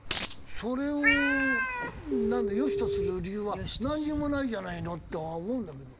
それを良しとする理由はなんにもないじゃないのとは思うんだけど。